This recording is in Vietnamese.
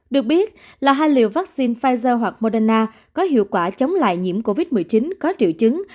được biết là hai liều vaccine pfizer hoặc moderna có hiệu quả chống lại nhiễm covid một mươi chín có triệu chứng